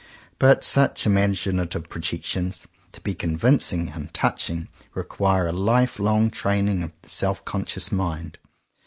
But such imaginative pro jections, to be convincing and touching, require a life long training of the self conscious mind.